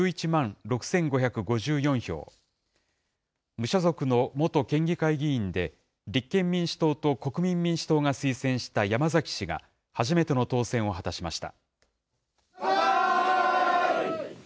無所属の元県議会議員で、立憲民主党と国民民主党が推薦した山崎氏が、初めての当選を果たしました。